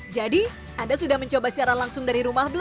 jadi anda sudah mencoba siaran langsung dari rumah belum